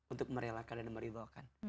untuk merelakan dan meribaukan